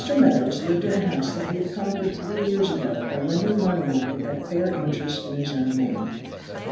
MEADOWS lived in a house that he had conquered three years ago by lending money on it at fair interest in his own name.